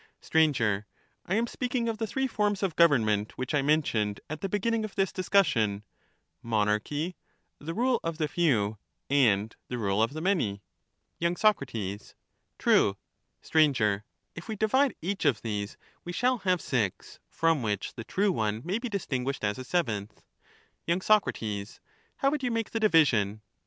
Str, I am speaking of the three forms of government, which I mentioned at the beginning of this discussion — monarchy, the rule of the few, and the rule of the many. y. Soc, True. Sir, If we divide each of these we shall have six, from which the true one may be distinguished as a seventh. y. Soc, How would you make the division